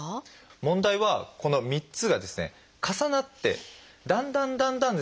問題はこの３つがですね重なってだんだんだんだんですね